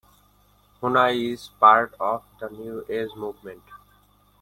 Huna is part of the New Age movement.